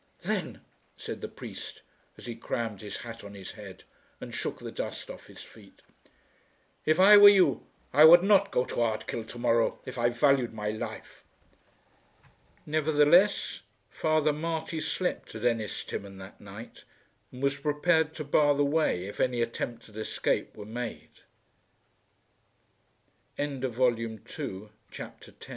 "Then," said the priest, as he crammed his hat on his head, and shook the dust off his feet, "if I were you I would not go to Ardkill to morrow if I valued my life." Nevertheless Father Marty slept at Ennistimon that night, and was prepared to bar the way if any attempt at escape were made. CHAPTER XI. ON THE CLIFF